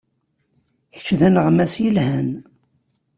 Kečč d aneɣmas yelhan.